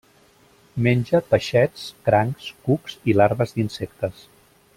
Menja peixets, crancs, cucs i larves d'insectes.